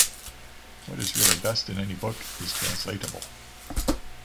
What is really best in any book is translatable.